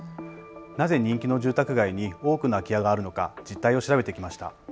なぜ人気の住宅街に多くの空き家があるのか実態を調べてきました。